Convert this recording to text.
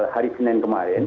hari senin kemarin